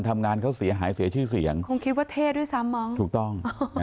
ทำงานเขาเสียหายเสียชื่อเสียงคงคิดว่าเท่ด้วยซ้ำมั้งถูกต้อง